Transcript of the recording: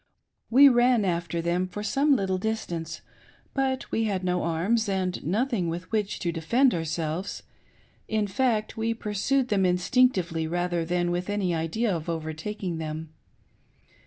We ran after them for some little distance, but we had no arms and nothing with which to defend ourselves ; in fact we pursued them instinctively rather than wkh apy idea of overtaking them.